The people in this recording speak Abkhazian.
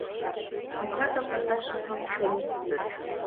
Аҭак аҟаҵашьа сақәшәомызт.